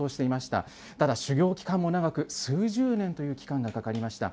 ただ修業期間も長く、数十年という期間がかかりました。